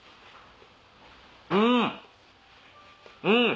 うん！